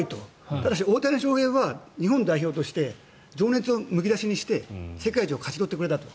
ただし大谷翔平は日本代表として情熱をむき出しにして世界一を勝ち取ってくれたと。